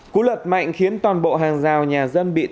cú lật mạnh khiến toàn bộ hàng rào nhà dân bị ngập